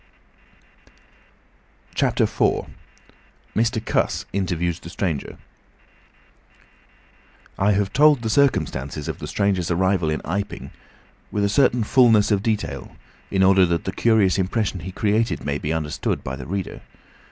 CHAPTER IV. MR. CUSS INTERVIEWS THE STRANGER I have told the circumstances of the stranger's arrival in Iping with a certain fulness of detail, in order that the curious impression he created may be understood by the reader.